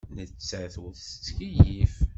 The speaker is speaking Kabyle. Nettat ur tettkeyyif.